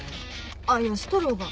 あっいやストローが。